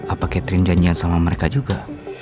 apa catherine janjian sama mereka juga